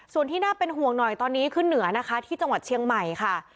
ส่วนที่น่าเป็นห่วงหน่อยตอนนี้ขึ้นเหนือนะคะที่จังหวัดเชียงใหม่ค่ะ